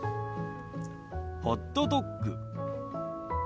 ホットドッグ。